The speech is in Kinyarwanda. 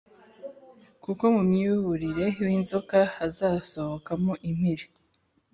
kuko mu mwiyuburure w’inzoka hazasohokamo impiri,